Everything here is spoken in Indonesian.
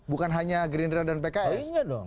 bukan hanya green rail dan pks